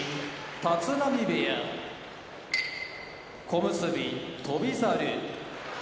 立浪部屋小結・翔猿